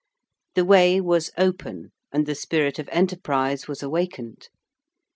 The way was open, and the spirit of enterprise was awakened.